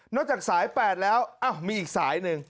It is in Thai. นอกจากสาย๘แล้วอ้าวมีอีกสายหนึ่ง